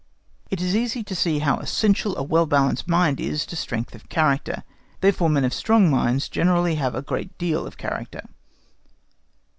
It is easy to see how essential a well balanced mind is to strength of character; therefore men of strong minds generally have a great deal of character.